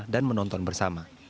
dan menonton bersama